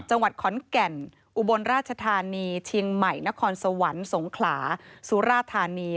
จังหวัดขอนแก่นอุบลราชธานีเชียงใหม่นครสวรรค์สงขลาสุราธานี